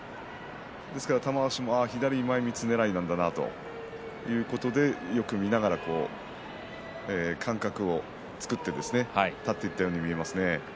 玉鷲も左前みつねらいなんだろうなということでよく見ながら間隔を作ってですね立っていったように見えます。